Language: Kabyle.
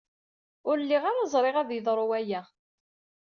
Ur lliɣ ara ẓriɣ ad yeḍru waya.